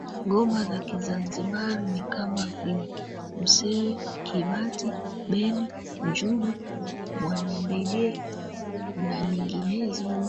Ngoma za kizanzibari ni kama vile Msewe Kibati Beni njugu Mwanandege na nyinginezo